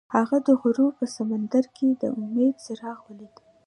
هغه د غروب په سمندر کې د امید څراغ ولید.